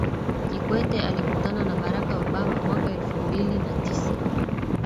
kikwete alikutana na barack obama mwaka elfu mbili na tisa